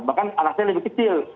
bahkan anak saya lebih kecil